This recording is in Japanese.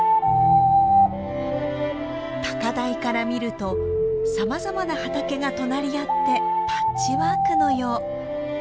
高台から見るとさまざまな畑が隣り合ってパッチワークのよう。